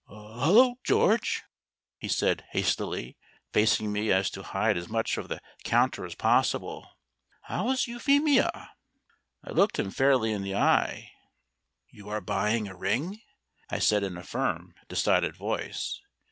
"Hullo, George!" he said hastily, facing me so as to hide as much of the counter as possible. "How's Euphemia?" I looked him fairly in the eye. "You are buying a ring," I said in a firm, decided voice.